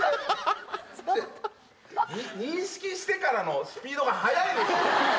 認識してからのスピードが速いですよ。